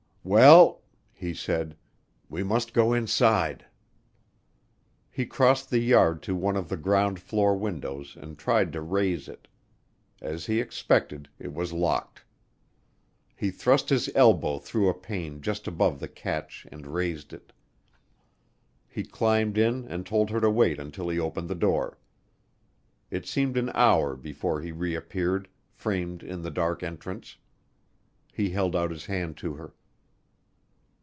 "Well," he said, "we must go inside." He crossed the yard to one of the ground floor windows and tried to raise it. As he expected, it was locked. He thrust his elbow through a pane just above the catch and raised it. He climbed in and told her to wait until he opened the door. It seemed an hour before he reappeared, framed in the dark entrance. He held out his hand to her.